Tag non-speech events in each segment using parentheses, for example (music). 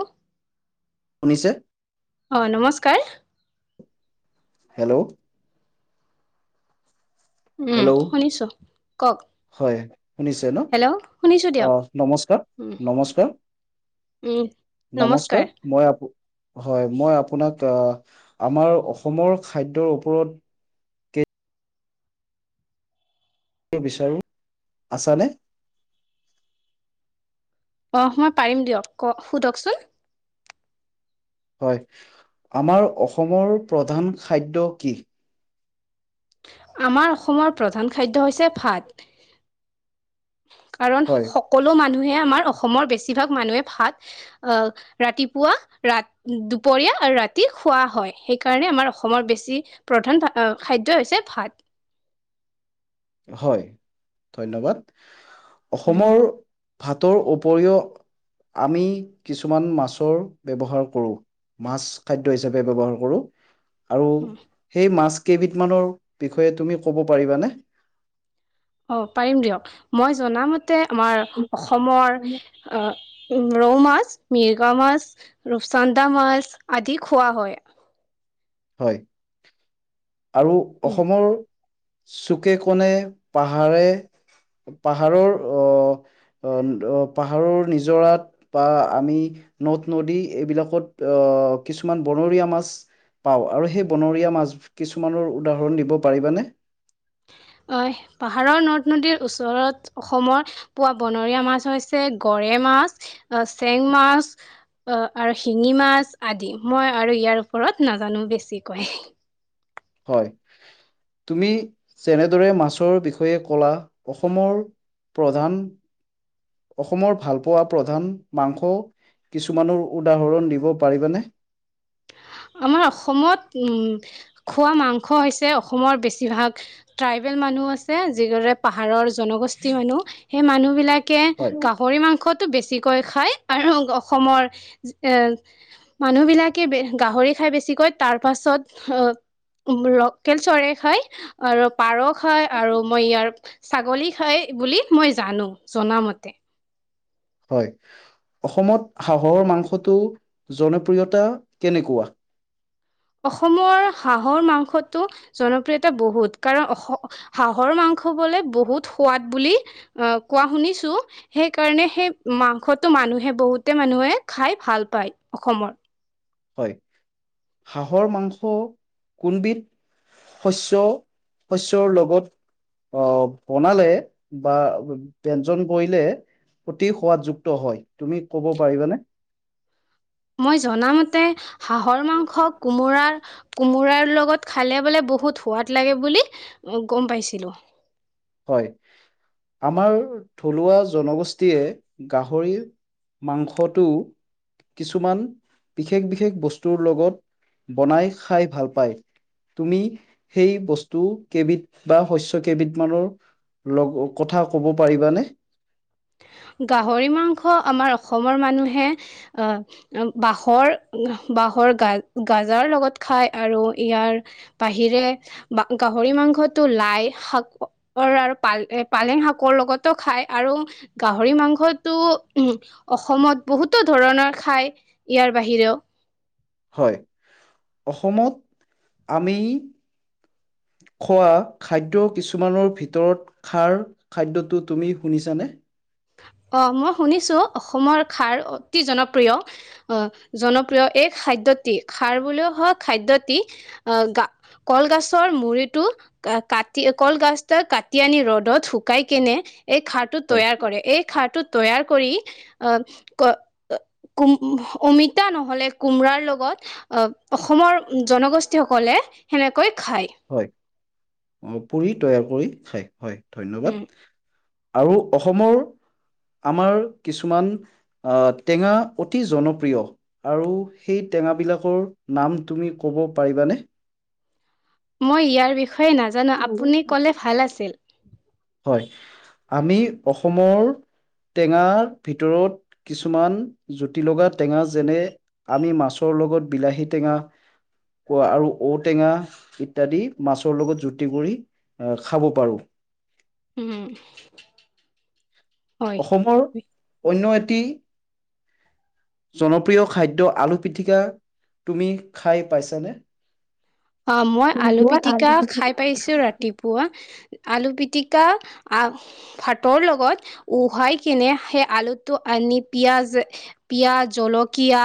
অ শুনিছে? হয়, নমস্কাৰ। হেল্ল'? উম, হেল্ল' শুনিছো। কওঁক? হয় শুনিছে ন হেল্ল'? শুনিছোঁ অ দিয়ক। নমস্কাৰ নমস্কাৰ উম', নমস্কাৰ। মই আপো হয়, মই আপোনাক আমাৰ অসমৰ খাদ্যৰ ওপৰত কেই কে বিচাৰো, আছানে? অহ মই পাৰিম দিয়ক, ক সোধকচোন? হয়। আমাৰ অসমৰ প্ৰধান খাদ্য কি? আমাৰ অসমৰ প্ৰধান খাদ্য হৈছে ভাত। কাৰণ হয় সকলো মানুহে আমাৰ অসমৰ বেছিভাগ মানুহে ভাত আহ ৰাতিপুৱা দুপৰীয়া আৰু ৰাতি খোৱা হয়। সেইকাৰণে আমাৰ অসমৰ বেছি প্ৰধান খাদ্য ই হৈছে ভাত। হয় ধন্যবাদ। অসমৰ ভাতৰ উপৰিও আমি কিছুমান মাছৰ ব্যৱহাৰ কৰোঁ। মাছ খাদ্য হিচাপে ব্যৱহাৰ কৰোঁ। আৰু সেই মাছ কেইবিধ মানৰ বিষয়ে তুমি ক'ব পাৰিবানে? অ', পাৰিম দিয়ক, মই জনামতে অসমৰ অ', ৰৌ মাছ, মিৰ্গা মাছ ৰূপচান্দা মাছ আদি খোৱা হয়। হয়। আৰু উম অসমৰ চুকে কণে পাহাৰে পাহাৰৰ আহ পাহাৰৰ নিজৰাত বা আমি নদ নদী এইবিলাকত কিছুমান বনৰীয়া মাছ পাওঁ। আৰু সেই বনৰীয়া মাছ কিছুমানৰ উদাহৰণ দিব পাৰিবানে? হয়। পাহাৰৰ নদ নদীৰ ওচৰত অসমৰ পোৱা বনৰীয়া মাছ হৈছে গৰৈ মাছ আহ চেং মাছ অ' আৰু শিঙি মাছ আদি মই আৰু ইয়াৰ ওপৰত নাজানো বেছিকৈ। হয় তুমি যেনেদৰে মাছৰ বিষয়ে কলা অসমৰ প্ৰধান অসমৰ ভালপোৱা প্ৰধান মাংস কিছুমানৰ উদাহৰণ দিব পাৰিবানে? আমাৰ অসমত উম, খোৱা মাংস হৈছে অসমৰ বেছিভাগ ট্ৰাইবেল মানুহ আছে যিদৰেপাহাৰৰ জনগোষ্ঠী মানুহ সেই মানুহবিলাক কে হয়, গাহৰি মাংসত বেছিকৈ খাই আৰু অসমৰ এ মানুহ বিলাকে গাহৰি খাই বেছিকৈ তাৰ পাছত লকেল চলে খাই। আৰু পাৰ খায় আৰু মই ইয়াৰ ছাগলী খাই বুলি মই জানো জনামতে। হয় অসমত হাঁহৰ মাংসটো জনপ্ৰিয়তা কেনেকোৱা? অসমৰ হাঁহৰ মাংসটো জনপ্ৰিয়তা বহুত কাৰণ অসম হাঁহৰ মাংস বলে বহুত সোৱাদ বুলি আহ কোৱা শুনিছো। সেই কাৰণে সেই মাংসটো মানুহে বহুতে মানুহে খাই ভাল পায় অসমৰ। হয় হাঁহৰ মাংস কোনবিধ শস্য, শস্যৰ লগত অ' বনালে বা ব্যঞ্জন কৰিলে অতি সোৱাদযুক্ত হয় তুমি ক'ব পাৰিবানে? মই জনামতে হাহৰ মাংস কোমোৰাৰ, কোমোৰাৰ লগত খালে বোলে বহুত সোৱাদ লাগে বুলি অ' গম পাইছিলো। হয় আমাৰ থলুৱা জনগোষ্ঠীয়ে গাহৰিৰ মাংসটো কিছুমান বিশেষ, বিশেষ বস্তুৰ লগত বনাই খাই ভাল পায়। তুমি সেই বস্তু কেইবিধ বা শস্য কেইবিধ মানৰ লগ কথা ক'ব পাৰিবানে? গাহৰি মাংস আমাৰ অসমৰ মানুহে আহ বাঁহৰ, বাঁহৰ গাজাৰ লগত খাই আৰু ইয়াৰ বাহিৰে বা গাহৰি মাংসটো লাই শাক আৰু এ পালেং শাকৰ লগতো খায় আৰু গাহৰি মাংসটো অসমত বহুতো ধৰণৰ খায় ইয়াৰ বাহিৰেও। হয় অসমত আমি খোৱা খাদ্য কিছুমানৰ ভিতৰত খাৰ খাদ্যটো তুমি শুনিছানে? অ' মই শুনিছোঁ অসমৰ খাৰ অতি জনপ্ৰিয়। আহ জনপ্ৰিয় এই খাদ্যটি খাৰ বুলিও হোৱা খাদ্যটি আহ গা কল গছৰ মূৰিটোত কাটি কলগছটো কাটি আনি ৰ'দত শুকাই কেনে এই খাৰটো হয় তৈয়াৰ কৰে এই খাৰটো তৈয়াৰ কৰি আহ কোম অমিতা নহ'লে কোমৰাৰ লগত আহ অসমৰ জনগোষ্ঠী সকলে সেনেকৈ খায়। হয় অপুৰি তৈয়াৰ কৰি খায় হয় ধন্যবাদ। উম, আৰু অসমৰ আমাৰ কিছুমান টেঙা অতি জনপ্ৰিয়। আৰু সেই টেঙাবিলাকৰ নাম তুমি ক'ব পাৰিবানে মই ইয়াৰ বিষয়ে নাজানো আপুনি কলে ভাল আছিল হয় আমি অসমৰ টেঙাৰ ভিতৰত কিছুমান জুতি লগা টেঙা যেনে আমি মাছৰ লগত বিলাহী টেঙা কোৱা আৰু ঔটেঙা ইত্যাদি মাছৰ লগত জুতি কৰি অহ খাব পাৰো উম, অসমৰ হয় অন্য এটি জনপ্রিয় খাদ্য আলু পিটিকা তুমি খাই পাইছানে আ মই আলু পিটিকা খাই পাইছো ৰাতি পুৱা আলু পিটিকা আহ ভাতৰ লগত উহাই কিনে সেই আলুটো আনি পিয়াজ পিয়াজ জলকীয়া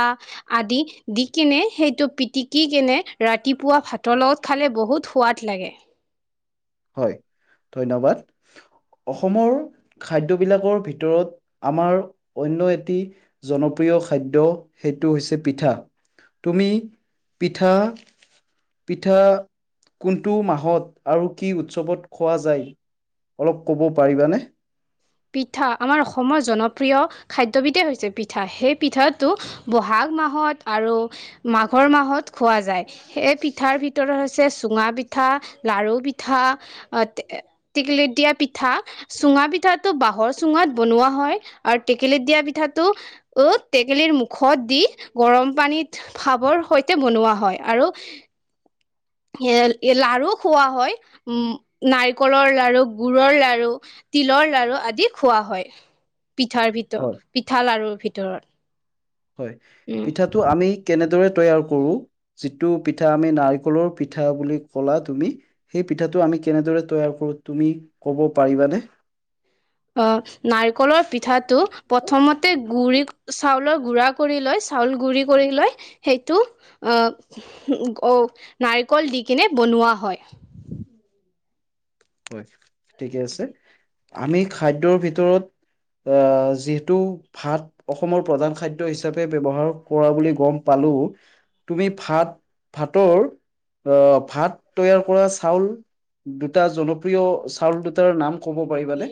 আদি দি কিনে সেইটো পিটিকি কিনে ৰাতি পুৱা ভাতৰ লগত খালে বহুত সোৱাদ লাগে হয় ধন্যবাদ অসমৰ খাদ্য বিলাকৰ ভিতৰত আমাৰ অন্য এটি জনপ্ৰিয় খাদ্য সেইটো হৈছে পিঠা তুমি পিঠা পিঠা কোনটো মাহত আৰু কি উৎসৱত খোৱা যায় অলপ ক'ব পাৰিবানে পিঠা আমাৰ অসমৰ জনপ্ৰিয় খাদ্যবিধেই হৈছে পিঠা সেই পিঠাটো বহাগ মাহত আৰু মাঘৰ মাহত খোৱা যায় সেই পিঠাৰ ভিতৰত হৈছে চুঙা পিঠা লাৰু পিঠা আ তে টিকলিত দিয়া পিঠা চুঙা পিঠাত টো বাঁহৰ চুঙাত বনোৱা হয় আৰু টেকেলীত দিয়া পিঠাটো অত টেকেলিৰ মুখত দি গৰম পানীত ভাৱৰ সৈতে বনোৱা হয় আৰু এ এ লাৰু খোৱা হয় উম নাৰিকলৰ লাৰু গুুৰৰ লাৰু তিলৰ লৰু আদি খোৱা হয় পিঠাৰ ভিত হয় পিঠা লাৰুৰ ভিতৰত হয় উম পিঠাটো আমি কেনেদৰে তৈয়াৰ কৰো যিটো পিঠা আমি নাৰিকলৰ পিঠা বুলি কলা তুমি সেই পিঠাটো আমি কেনেদৰে তৈয়াৰ কৰো তুমি ক'ব পাৰিবানে অ নাৰিকলৰ পিঠাটো প্ৰথমতে গুৰি চাউলৰ গুড়া কৰি লৈ চাউল গুৰি কৰি লৈ সেইটো আহ অ নাৰিকল দি কিনে বনোৱা হয় হয় ঠিকে আছে আমি খাদ্যৰ ভিতৰত আ যিহেতু ভাত অসমৰ প্ৰধান খাদ্য হিচাপে ব্যৱহাৰ কৰা বুলি গম পালো তুমি ভাত ভাতৰ অ ভাত তৈয়াৰ কৰা চাউল দুটা জনপ্ৰিয় চাউল দুটাৰ নাম ক'ব পাৰিবানে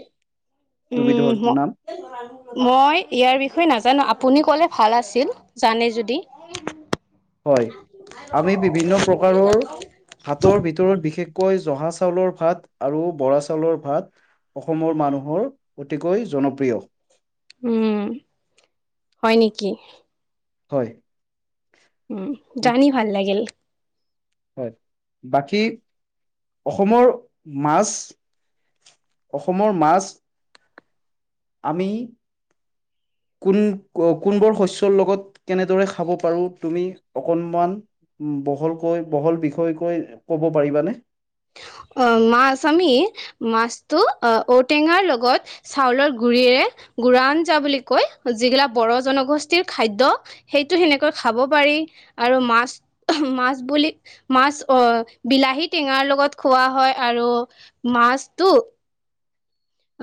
উম দুবিধৰ হ নাম মই ইয়াৰ বিষয়ে নাজানো আপুনি ক'লে ভাল আছিল জানে যদি হয় আমি বিভিন্ন প্ৰকাৰৰ (unintelligible) ভাতৰ ভিতৰত বিশেষকৈ জহা চাউলৰ ভাত আৰু বৰা চাউলৰ ভাত অসমৰ মানুহৰ অতিকৈ জনপ্ৰিয়। উম, হয় নেকি? হয়। উম, জানি ভাল লাগিল। হয়, বাকী অসমৰ মাছ অসমৰ মাছ আমি কোন কোনবোৰ শস্যৰ লগত কেনেদৰে খাব পাৰো তুমি অকনমান বহলকৈ বহল বিষয়কৈ ক'ব পাৰিবানে? অ', মাছ আমি মাছটো অ', ঔটেঙাৰ লগত চাউলৰ গুৰিৰে গুৰা আঞ্জা বুলি কৈ যিগিলা বড়ো জনগোষ্ঠীৰ খাদ্য। সেইটো সেনেকৈ খাব পাৰি আৰু মাছ মাছ বুলি মাছ অ', বিলাহী টেঙাৰ লগত খোৱা হয়, আৰু মাছটো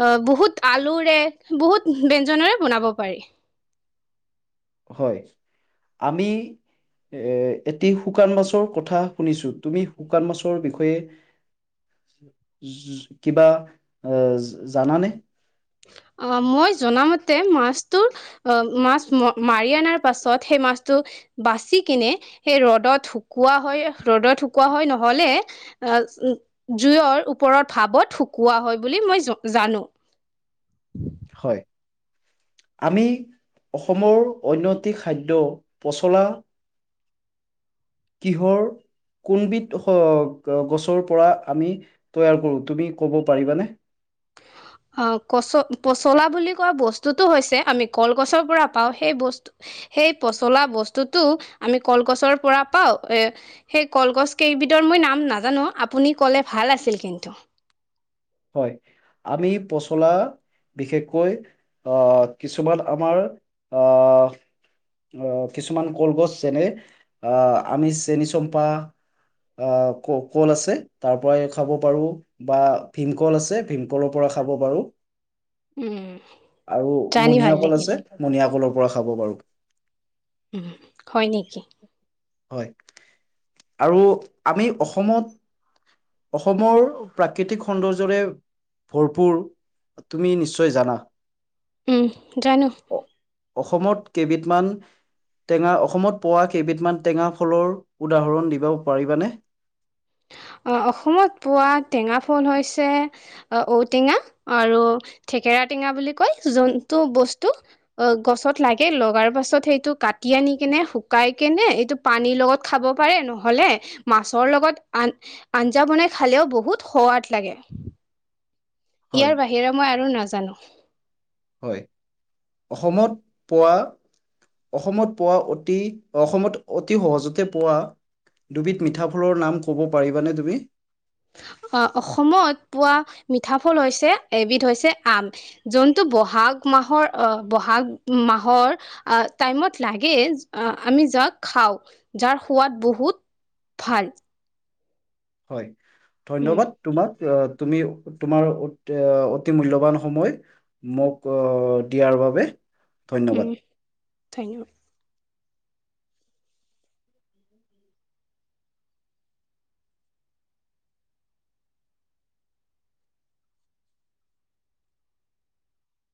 অ', বহুত আলুৰে বহুত ব্যঞ্জনেৰে বনাব পাৰি। হয়, আমি এ এটি শুকান মাছৰ কথা শুনিছো, তুমি শুকান মাছৰ বিষয়ে (inaudible) কিবা অ', জানানে? অ', মই জনামতে মাছটোৰ অ', মাছ মাৰি অনাৰ পাছত সেই মাছটো বাচি কিনে সেই ৰ'দত শুকোৱা হয়, ৰ'দত শুকোৱা হয়, নহ'লে আহ, জুইৰ ওপৰত ভাৱত শুকোৱা হয়, বুলি মই জানো। হয়। আমি অসমৰ অন্য এটি খাদ্য পচলা কিহৰ কোনবিধ গছৰ পৰা আমি তৈয়াৰ কৰোঁ তুমি ক'ব পাৰিবানে? অ', কচ পচলা বুলি কোৱা বস্তুটো হৈছে আমি কলগছৰ পৰা পাওঁ, সেই বস্তু সেই পচলা বস্তুটো আমি কলগছৰ পৰা পাওঁ। সেই কলগছ কেইবিধৰ মই নাম নাজানো, আপুনি ক'লে ভাল আছিল কিন্তু। হয়, আমি পচলা বিশেষকৈ আহ, কিছুমান আমাৰ আহ আহ কিছুমান কলগছ যেনে, আহ আমি চেনি- চম্পা। আহ ক-কল আছে তাৰ পৰাই খাব পাৰো বা ভীমকল আছে, ভীমকলৰ পৰা খাব পাৰোঁ। উম। আৰু জানি মনিয়া ভাল কল লাগিল আছে মনিয়া কলৰ পৰা খাব বাৰু। হয় নেকি? হয়, আৰু আমি অসমত অসমৰ প্ৰাকৃতিক সৌন্দৰ্যৰে ভৰপূৰ তুমি নিশ্চয় জানা। উম, জানো। অসমত কেইবিধমান টেঙা, অসমত পোৱা কেইবিধমান টেঙা ফলৰ উদাহৰণ দিব পাৰিবানে? অ', অসমত পোৱা টেঙা ফল হৈছে অ ঔটেঙা আৰু থঠেকেৰা টেঙা বুলি কয়, যোনটো বস্তু অ' গছত লাগে লগাৰ পাছত সেইটো কাটি, আনি কেনে শুকাই কেনে এইটো পানীৰ লগত খাব পাৰে। নহ'লে মাছৰ লগত আন আঞ্জা বনাই খালেও বহুত সৱাদ লাগে। হয় ইয়াৰ বাহিৰে মই আৰু নাজানো। হয়। অসমত পৱা অসমত পৱা অতি, অসমত অতি সহজতে পৱা দুবিধ মিঠাফুলৰ নাম ক'ব পাৰিবানে তুমি? আ' অসমত পোৱা মিঠা ফল হৈছে, এবিধ হৈছে আম। যোনটো ব'হাগ মাহৰ অ ব'হাগ মাহৰ আহ টাইমত লাগে। আমি যাক খাওঁ। যাৰ সোৱাদ বহুত ভাল হয়, উম ধন্যবাদ তোমাক। আহ' তুমি তোমাৰ উট এ অতি মূল্যবান সময় মোক অ দিয়াৰ বাবে। ধন্যবাদ। উম' থেং ইউ।